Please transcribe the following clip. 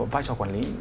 vai trò quản lý